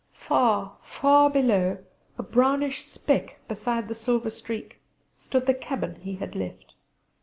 Far, far below a brownish speck beside the silver streak stood the cabin he had left.